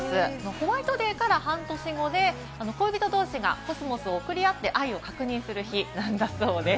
ホワイトデーから半年後で恋人同士がコスモスを送り合って、愛を確認する日なんだそうです。